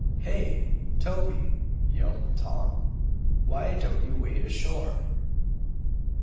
"Hey, Tobe!" yelled Tom. "Why don't you wade ashore?"